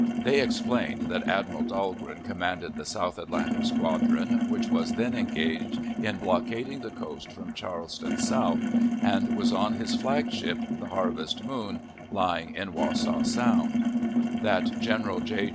They explained that Admiral Dahlgren commanded the South Atlantic Squadron, which was then engaged in blockading the coast from Charleston south, and was on his flag ship, the Harvest Moon, lying in Wassaw Sound; that General J.